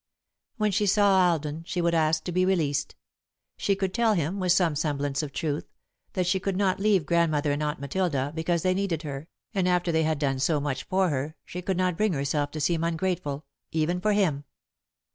When she saw Alden, she would ask to be released. She could tell him, with some semblance of truth, that she could not leave Grandmother and Aunt Matilda, because they needed her, and after they had done so much for her, she could not bring herself to seem ungrateful, even for him.